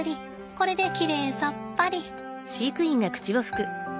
これできれいさっぱり。